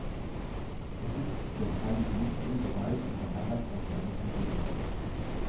Es ist dem heiligen Michael geweiht und beherbergt ein kleines Museum.